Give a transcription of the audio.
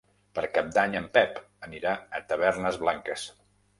Per Cap d'Any en Pep anirà a Tavernes Blanques.